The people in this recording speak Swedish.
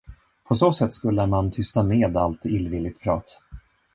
På så sätt skulle man tysta ned allt illvilligt prat.